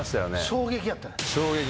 衝撃やったね。